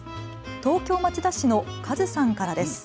東京町田市のカズさんからです。